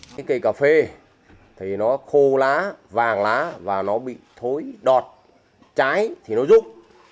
cây cà phê thì nó khô lá vàng lá và nó bị thối đọt trái thì nó rút